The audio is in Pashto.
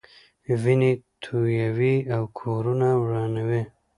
وینې تویوي او کورونه ورانوي.